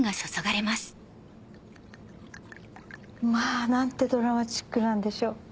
まぁ何てドラマチックなんでしょう。